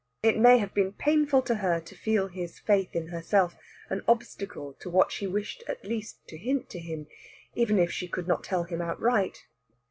It may have been painful to her to feel his faith in herself an obstacle to what she wished at least to hint to him, even if she could not tell him outright.